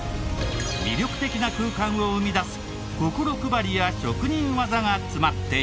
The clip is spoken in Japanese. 魅力的な空間を生み出す心配りや職人技が詰まっていた。